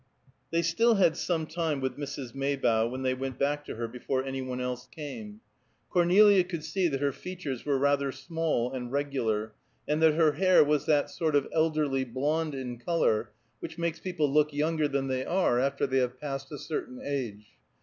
They still had some time with Mrs. Maybough, when they went back to her before any one else came; Cornelia could see that her features were rather small and regular, and that her hair was that sort of elderly blond in color which makes people look younger than they are after they have passed a certain age.